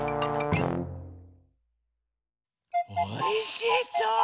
おいしそう！